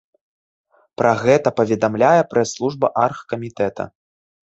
Пра гэта паведамляе прэс-служба аргкамітэта.